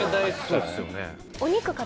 そうですよね。